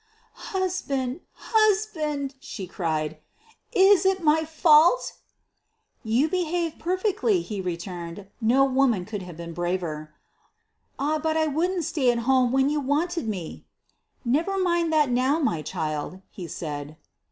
"Husband! husband!" she cried, "is it my fault?" "You behaved perfectly," he returned. "No woman could have been braver." "Ah, but I wouldn't stay at home when you wanted me." "Never mind that now, my child," he said.